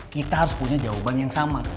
kita harus punya jawaban yang sama